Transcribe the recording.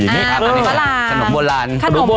อันนี้คือขนมโบราณ